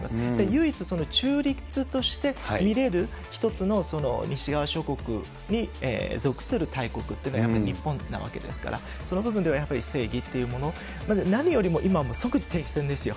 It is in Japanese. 唯一、中立として見れる一つの西側諸国に属する大国っていうのはやっぱり日本なわけですから、その部分ではやっぱり正義というもの、また何よりも今、即時停戦ですよ。